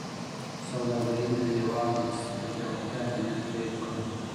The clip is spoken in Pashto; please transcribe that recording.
سوداګري مې د هیواد د اقتصاد د پیاوړتیا په نیت پیل کړه.